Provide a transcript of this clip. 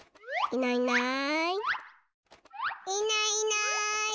いないいない。